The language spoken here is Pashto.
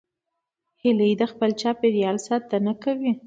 هیلۍ د خپل چاپېریال ساتنه کوي